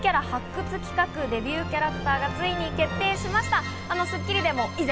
サンリオの新キャラ発掘企画、デビューキャラクターがついに決定しました。